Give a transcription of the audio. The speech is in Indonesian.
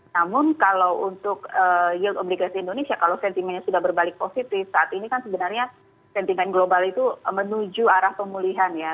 namun kalau untuk yield obligasi indonesia kalau sentimennya sudah berbalik positif saat ini kan sebenarnya sentimen global itu menuju arah pemulihan ya